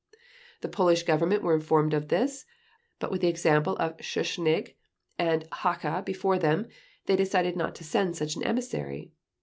The Polish Government were informed of this, but with the example of Schuschnigg and Hacha before them, they decided not to send such an emissary.